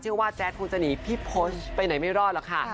ว่าแจ๊ดคงจะหนีพี่โพสต์ไปไหนไม่รอดหรอกค่ะ